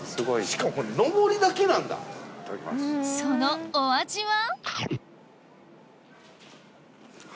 そのお味は？